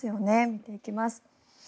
見ていきます。